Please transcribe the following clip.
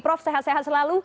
prof sehat sehat selalu